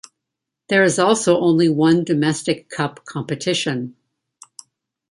There is also only one domestic cup competition.